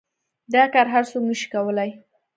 دا كار هر سوك نشي كولاى.